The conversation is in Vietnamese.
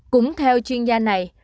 cũng theo chuyên gia này